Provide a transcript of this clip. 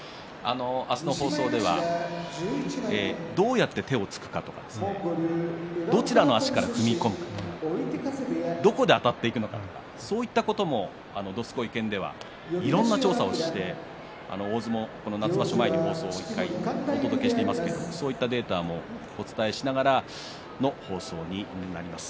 明日の放送ではどうやって手を突くのかどちらの足から踏み込むのかどこであたっていくのかそういったことも「どすこい研」ではいろんな調査をして夏場所前にもお届けしてますけどもそういうデータもお伝えします。